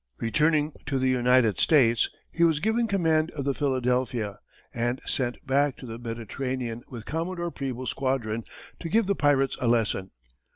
Returning to the United States, he was given command of the Philadelphia, and sent back to the Mediterranean with Commodore Preble's squadron to give the pirates a lesson.